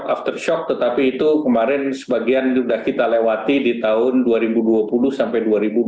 after shock tetapi itu kemarin sebagian sudah kita lewati di tahun dua ribu dua puluh sampai dua ribu dua puluh